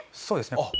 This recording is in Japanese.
そうですね。